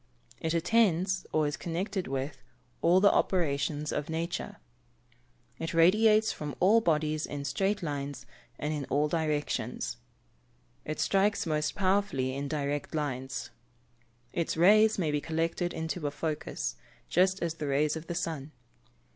It attends, or is connected with, all the operations of nature. It radiates from all bodies in straight lines, and in all directions. It strikes most powerfully in direct lines. Its rays may be collected into a focus, just as the rays of the sun.